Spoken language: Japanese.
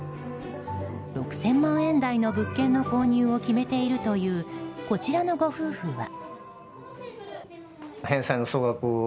６０００万円台の物件の購入を決めているというこちらのご夫婦は。